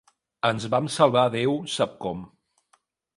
Ens vam salvar Déu sap com.